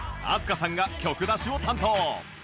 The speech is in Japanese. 飛鳥さんが曲出しを担当